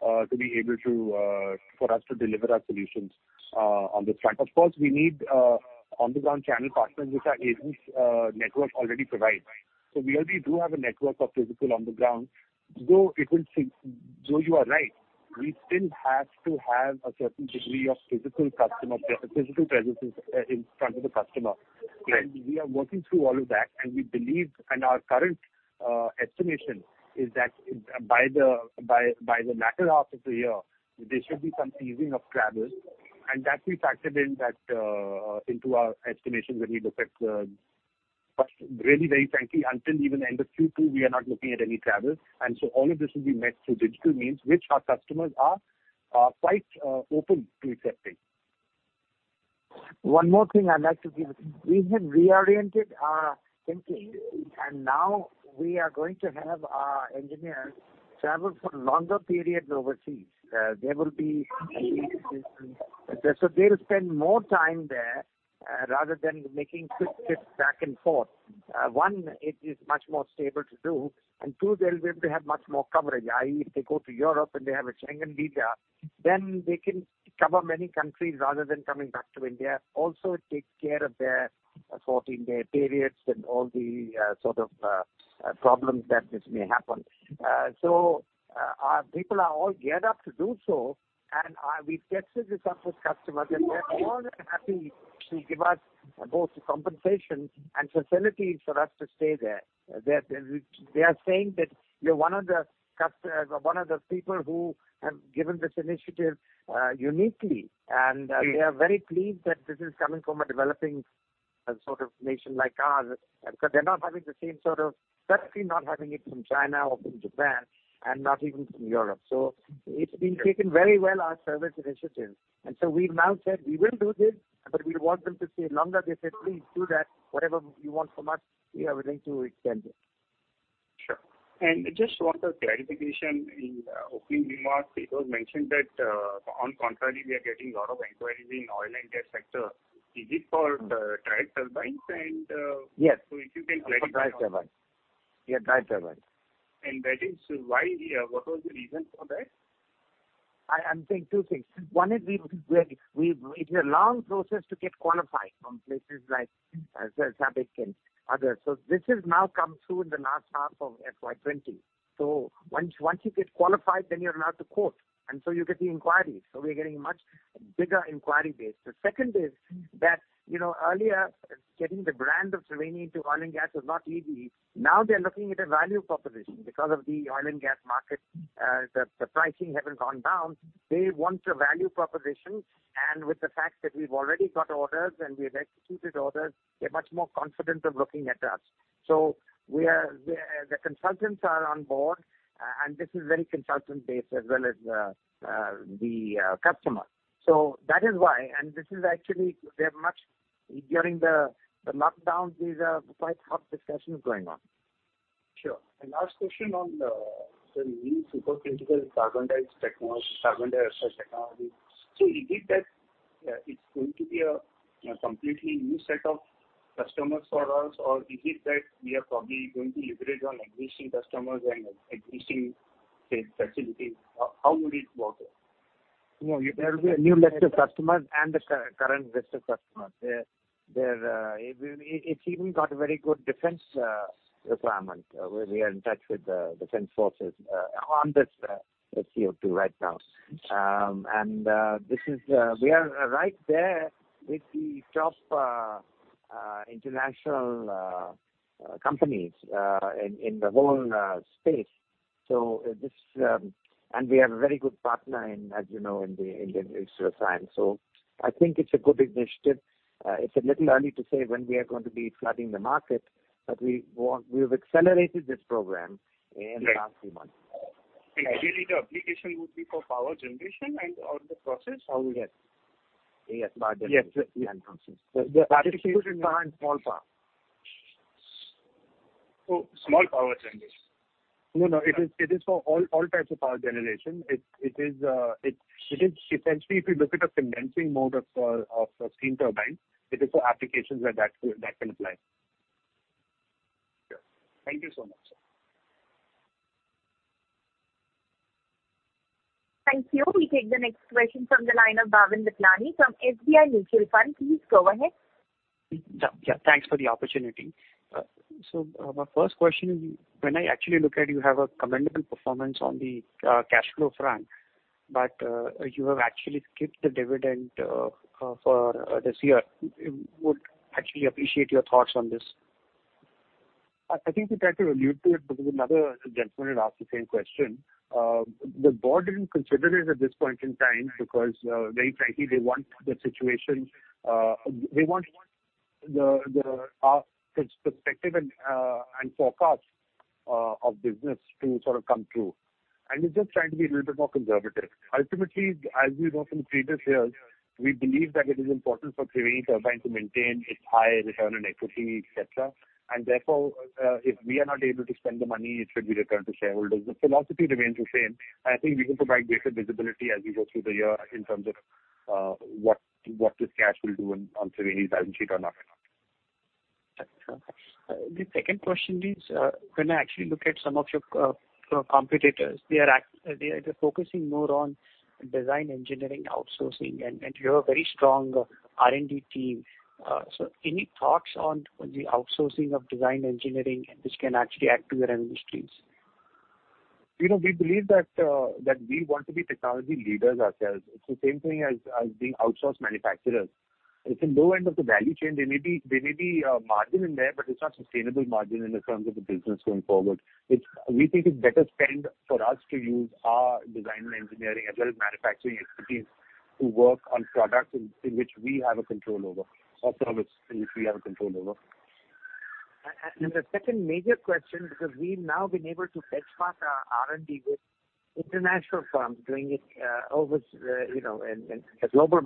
for us to deliver our solutions on this front. Of course, we need on-the-ground channel partners which our agents network already provides. We already do have a network of physical on the ground, though you are right, we still have to have a certain degree of physical presence in front of the customer. Right. We are working through all of that, and our current estimation is that by the latter half of the year, there should be some easing of travel. That we factored in into our estimations. Really very frankly, until even end of Q2, we are not looking at any travel. So all of this will be met through digital means, which our customers are quite open to accepting. One more thing I'd like to give. We have reoriented our thinking. Now we are going to have our engineers travel for longer periods overseas. They'll spend more time there rather than making quick trips back and forth. One, it is much more stable to do, and two, they'll be able to have much more coverage. I.e., if they go to Europe and they have a Schengen visa, then they can cover many countries rather than coming back to India. Also, it takes care of their 14-day periods and all the sort of problems that just may happen. Our people are all geared up to do so, and we've tested this out with customers, and they're more than happy to give us both the compensation and facilities for us to stay there. They are saying that we're one of the people who have given this initiative uniquely. They are very pleased that this is coming from a developing sort of nation like ours, because they're not having the same sort of Certainly not having it from China or from Japan, not even from Europe. It's been taken very well, our service initiative. We've now said we will do this. We want them to stay longer. They said, "Please do that. Whatever you want from us, we are willing to extend it. Sure. Just one clarification. In opening remarks, it was mentioned that on contrary, we are getting a lot of inquiries in oil and gas sector. Is it for drive turbines? Yes. If you can clarify. For drive turbines. Yeah, drive turbines. That is why? What was the reason for that? I'm saying two things. One is it's a long process to get qualified from places like SABIC and others. This has now come through in the last half of FY 2020. Once you get qualified, then you're allowed to quote, you get the inquiry. We're getting a much bigger inquiry base. The second is that earlier, getting the brand of Triveni into oil and gas was not easy. Now they're looking at a value proposition. Because of the oil and gas market, the pricing having gone down, they want a value proposition, and with the fact that we've already got orders and we've executed orders, they're much more confident of looking at us. The consultants are on board, and this is very consultant-based as well as the customer. That is why, and this is actually, they're much during the lockdown, these are quite hot discussions going on. Sure. Last question on the new supercritical subcritical technology. Is it that it's going to be a completely new set of customers for us, or is it that we are probably going to leverage on existing customers and existing, say, facilities? How would it work? No, there will be a new list of customers and the current list of customers. It's even got a very good defense requirement, where we are in touch with the defense forces on this CO2 right now. We are right there with the top international companies in the whole space. We have a very good partner in, as you know, in the industrial side. I think it's a good initiative. It's a little early to say when we are going to be flooding the market, but we've accelerated this program in the last few months. Right. Really the application would be for power generation and or the process? How would that? Yes. Power generation and process. The application is for and small power. Small power generation. No, it is for all types of power generation. Essentially, if you look at a condensing mode of steam turbine, it is for applications where that can apply. Sure. Thank you so much. Thank you. We take the next question from the line of Bhavin Vithlani from SBI Mutual Fund. Please go ahead. Yeah. Thanks for the opportunity. My first question is, when I actually look at you have a commendable performance on the cash flow front, but you have actually skipped the dividend for this year. Would actually appreciate your thoughts on this. I think we tried to allude to it because another gentleman had asked the same question. The board didn't consider it at this point in time because very frankly, they want our perspective and forecast of business to sort of come through. It's just trying to be a little bit more conservative. Ultimately, as we've got in the previous years, we believe that it is important for Triveni Turbine to maintain its high return on equity, et cetera. Therefore, if we are not able to spend the money, it should be returned to shareholders. The philosophy remains the same, and I think we can provide greater visibility as we go through the year in terms of what this cash will do on Triveni's balance sheet or not. The second question is, when I actually look at some of your competitors, they are focusing more on design engineering outsourcing, and you have a very strong R&D team. Any thoughts on the outsourcing of design engineering which can actually add to your industries? We believe that we want to be technology leaders ourselves. It's the same thing as being outsourced manufacturers. It's the low end of the value chain. There may be a margin in there, but it's not sustainable margin in the terms of the business going forward. We think it's better spent for us to use our design and engineering as well as manufacturing expertise to work on products in which we have a control over or service in which we have a control over. The second major question, because we've now been able to benchmark our R&D with international firms doing it over in the global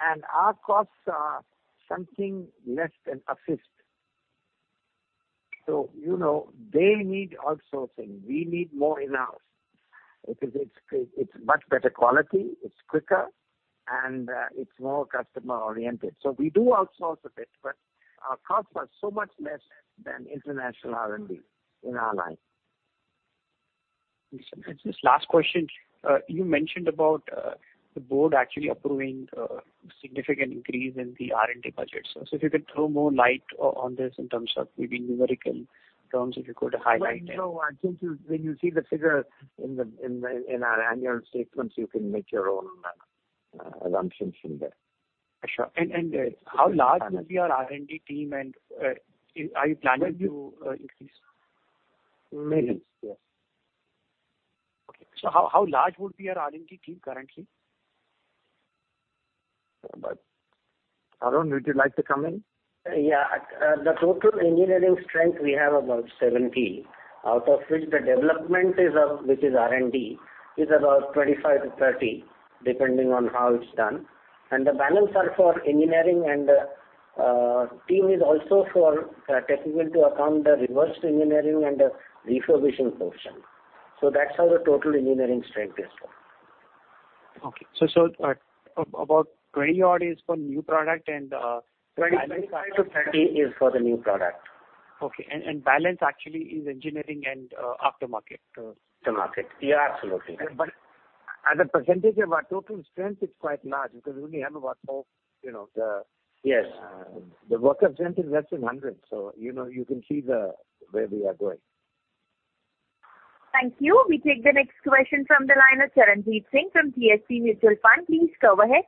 market. Our costs are something less than a fifth. They need outsourcing. We need more in-house because it's much better quality, it's quicker, and it's more customer oriented. We do outsource a bit, but our costs are so much less than international R&D in our line. Just last question. You mentioned about the board actually approving a significant increase in the R&D budget. If you could throw more light on this in terms of maybe numerical terms, if you could highlight that. Well, no, I think when you see the figure in our annual statements, you can make your own assumptions from there. How large would be your R&D team, and are you planning to increase? Millions. Yes. Okay. How large would be your R&D team currently? Arun, would you like to come in? The total engineering strength we have about 70, out of which the development is up, which is R&D, is about 25 to 30, depending on how it's done. The balance are for engineering, and the team is also for technical to account the reverse engineering and refurbishing portion. That's how the total engineering strength is. Okay. About 20 odd is for new product. 25 to 30 is for the new product. Okay. Balance actually is engineering and aftermarket. Aftermarket. Yeah, absolutely. As a percentage of our total strength, it's quite large because we only have about four. Yes. The worker strength is less than 100. You can see where we are going. Thank you. We take the next question from the line of Charanjit Singh from DSP Mutual Fund. Please go ahead.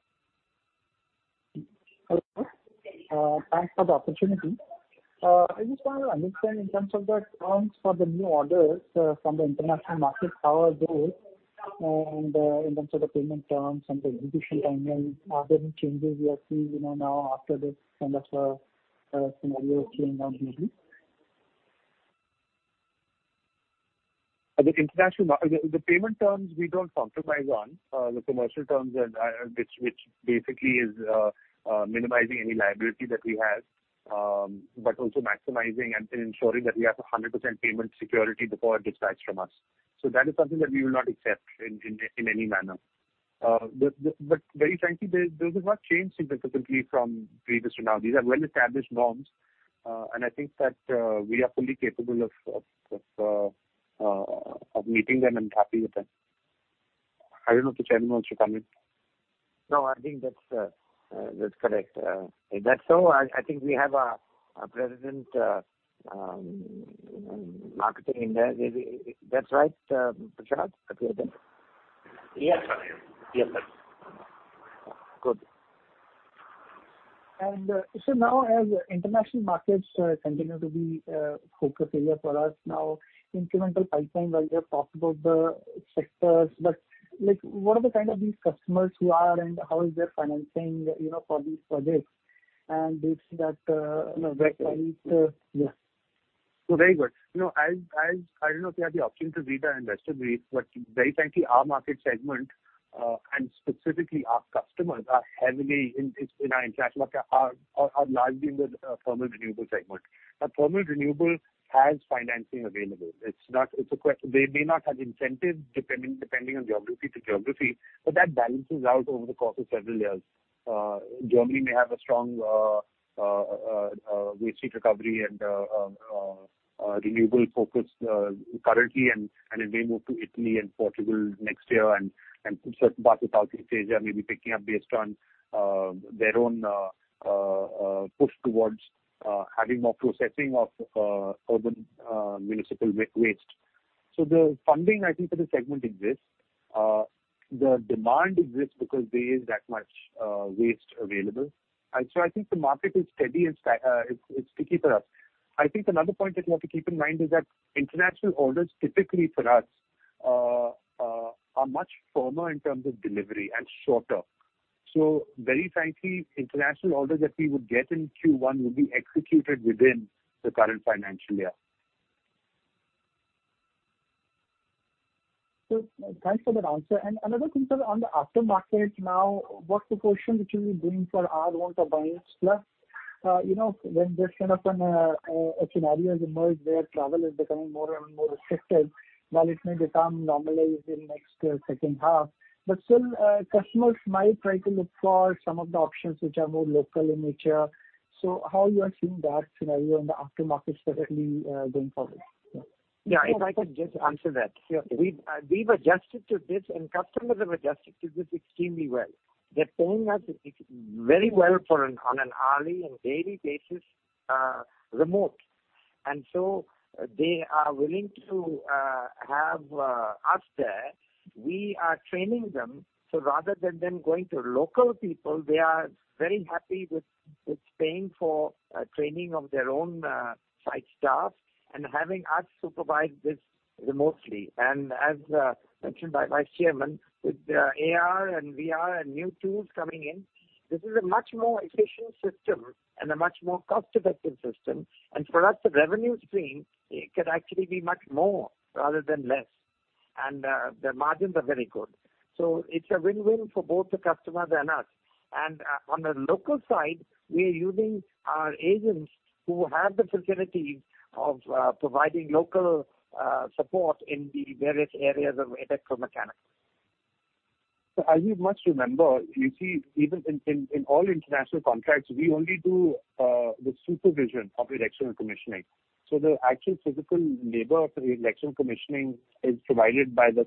Hello. Thanks for the opportunity. I just want to understand in terms of the terms for the new orders from the international markets, how are those, and in terms of the payment terms and the execution timeline, are there any changes you are seeing now after this kind of scenario is playing out maybe? The payment terms we don't compromise on. The commercial terms, which basically is minimizing any liability that we have, but also maximizing and ensuring that we have 100% payment security before it dispatches from us. That is something that we will not accept in any manner. Very frankly, this has not changed significantly from previous to now. These are well-established norms. I think that we are fully capable of meeting them and happy with them. I don't know if the chairman wants to comment. No, I think that's correct. If that's so, I think we have our president marketing India. That's right, Prashant? Yes. Good. Now as international markets continue to be a focus area for us now, incremental pipeline, while you have talked about the sectors, but what are the kind of customers who are, and how is their financing for these projects? Do you see that vector, yes? Very good. I don't know if you had the option to read our investor brief, but very frankly, our market segment, and specifically our customers, are largely in the thermal renewable segment. Thermal renewable has financing available. They may not have incentives depending on geography to geography, but that balances out over the course of several years. Germany may have a strong waste heat recovery and renewable focus currently, and it may move to Italy and Portugal next year and certain parts of Southeast Asia may be picking up based on their own push towards having more processing of urban municipal waste. The funding, I think, for the segment exists. The demand exists because there is that much waste available. I think the market is steady and sticky for us. I think another point that we have to keep in mind is that international orders typically for us are much firmer in terms of delivery and shorter. Very frankly, international orders that we would get in Q1 will be executed within the current financial year. Thanks for that answer. Another thing, sir, on the aftermarket now, what's the portion which you'll be doing for advance plus? When this kind of a scenario has emerged where travel is becoming more and more restricted, while it may become normalized in next, say, second half, but still customers might try to look for some of the options which are more local in nature. How you are seeing that scenario in the aftermarket separately going forward? Yeah, if I could just answer that. Sure. We've adjusted to this, and customers have adjusted to this extremely well. They're paying us very well on an hourly and daily basis remote. They are willing to have us there. We are training them, so rather than them going to local people, they are very happy with paying for training of their own site staff and having us supervise this remotely. As mentioned by Vice Chairman, with AR and VR and new tools coming in, this is a much more efficient system and a much more cost-effective system. For us, the revenue stream could actually be much more rather than less. The margins are very good. It's a win-win for both the customers and us. On the local side, we are using our agents who have the facilities of providing local support in the various areas of electromechanics. As you must remember, you see even in all international contracts, we only do the supervision of the erection and commissioning. The actual physical labor for the erection and commissioning is provided by the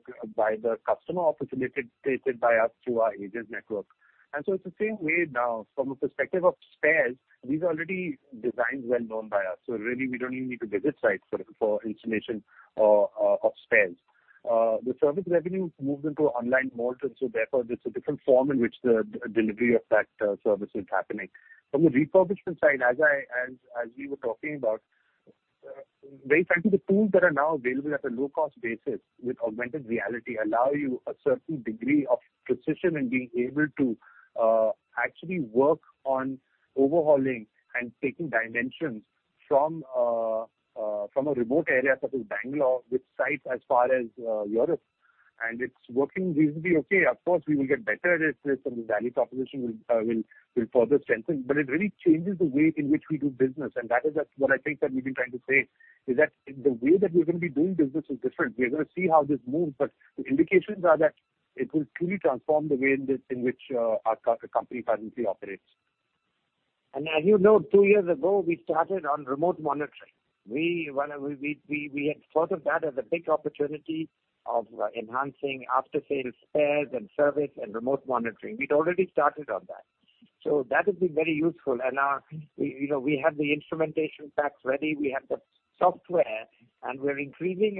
customer or facilitated by us through our agent network. It's the same way now from a perspective of spares, these are already designs well known by us. Really, we don't even need to visit site for installation of spares. The service revenue moves into online mode, and so therefore, there's a different form in which the delivery of that service is happening. From the refurbishment side, as we were talking about, very frankly, the tools that are now available at a low-cost basis with augmented reality allow you a certain degree of precision in being able to actually work on overhauling and taking dimensions from a remote area such as Bangalore with sites as far as Europe, and it's working reasonably okay. We will get better at this, and this value proposition will further strengthen. It really changes the way in which we do business, and that is what I think that we've been trying to say, is that the way that we're going to be doing business is different. We're going to see how this moves, but the indications are that it will truly transform the way in which our company currently operates. As you know, two years ago, we started on remote monitoring. We had thought of that as a big opportunity of enhancing after-sales spares and service and remote monitoring. We'd already started on that. That has been very useful. We have the instrumentation packs ready, we have the software, and we're increasing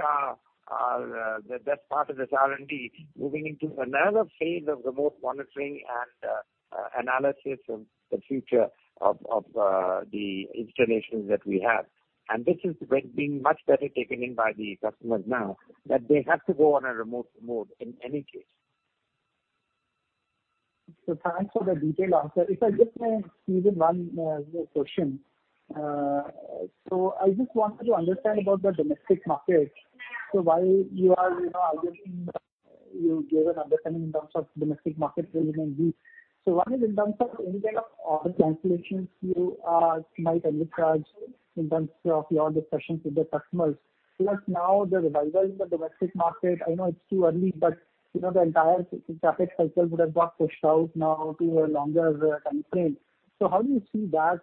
the best part of this R&D, moving into another phase of remote monitoring and analysis of the future of the installations that we have. This is being much better taken in by the customers now, that they have to go on a remote mode in any case. Thanks for the detailed answer. If I just may squeeze in one question. I just wanted to understand about the domestic market. While you are giving understanding in terms of domestic market sentiment view. One is in terms of any kind of order cancellations you might envisage in terms of your discussions with the customers. Now the revival in the domestic market, I know it's too early, but the entire CapEx cycle would have got pushed out now to a longer timeframe. How do you see that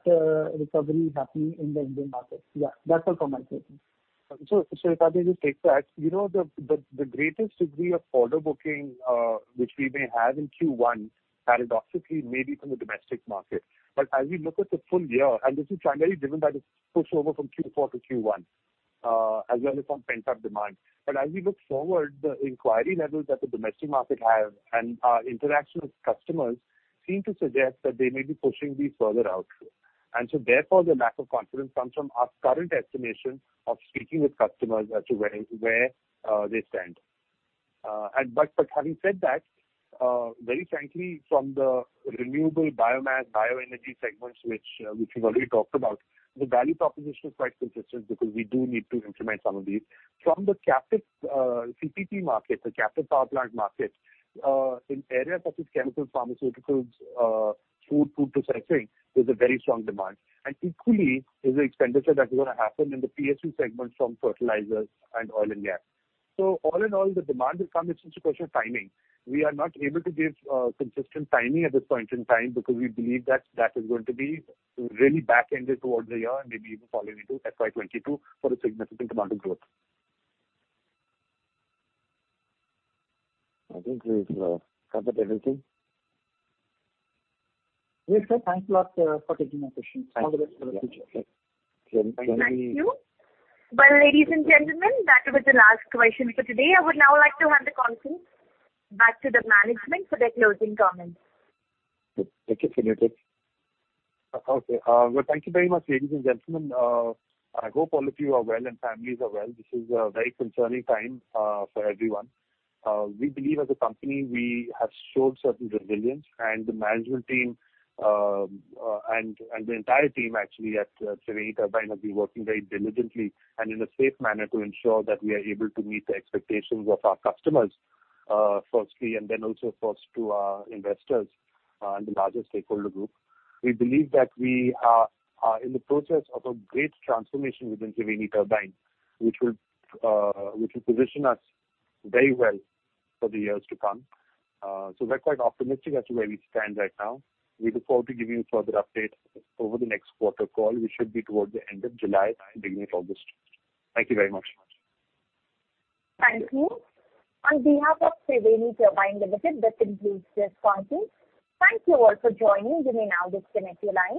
recovery happening in the Indian market? Yeah, that's all from my side. If I may just take that. The greatest degree of order booking, which we may have in Q1, paradoxically may be from the domestic market. As we look at the full year, and this is primarily driven by the push over from Q4 to Q1, as well as from pent-up demand. As we look forward, the inquiry levels that the domestic market have, and our interaction with customers seem to suggest that they may be pushing these further out. Therefore, the lack of confidence comes from our current estimation of speaking with customers as to where they stand. Having said that, very frankly, from the renewable biomass, bioenergy segments, which we've already talked about, the value proposition is quite consistent because we do need to implement some of these. From the CPP market, the captive power plant market, in areas such as chemicals, pharmaceuticals, food processing, there's a very strong demand. Equally, there's expenditure that's going to happen in the PSU segment from fertilizers and oil and gas. All in all, the demand will come. It's just a question of timing. We are not able to give consistent timing at this point in time because we believe that that is going to be really back-ended towards the year and maybe even falling into FY 2022 for a significant amount of growth. I think we've covered everything. Yes, sir. Thanks a lot for taking our questions. All the best for the future. Thank you. Thank you. Well, ladies and gentlemen, that was the last question for today. I would now like to hand the conference back to the management for their closing comments. Thank you, Kinit. Okay. Well, thank you very much, ladies and gentlemen. I hope all of you are well and families are well. This is a very concerning time for everyone. We believe as a company, we have showed certain resilience, and the management team and the entire team actually at Triveni Turbine have been working very diligently and in a safe manner to ensure that we are able to meet the expectations of our customers, firstly, and then also of course, to our investors and the larger stakeholder group. We believe that we are in the process of a great transformation within Triveni Turbine, which will position us very well for the years to come. We're quite optimistic as to where we stand right now. We look forward to giving you further updates over the next quarter call, which should be towards the end of July, beginning of August. Thank you very much. Thank you. On behalf of Triveni Turbine Limited, this concludes this conference. Thank you all for joining. You may now disconnect your line.